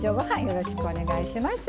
よろしくお願いします。